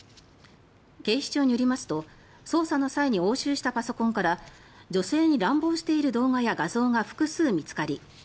警視庁によりますと捜査の際に押収したパソコンから女性に乱暴している動画や画像が複数見つかり